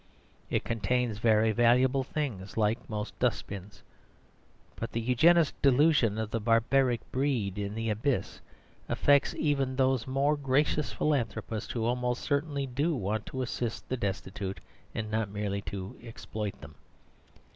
It contains very valuable things, like most dustbins. But the Eugenist delusion of the barbaric breed in the abyss affects even those more gracious philanthropists who almost certainly do want to assist the destitute and not merely to exploit them.